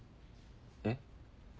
えっ？